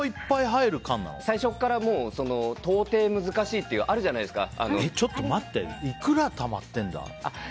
最初から到底難しいっていうのちょっと待っていくらたまってるんだ。